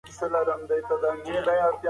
وړاندې مغلق او پیچیده اصطلاحاتو نه کار واخست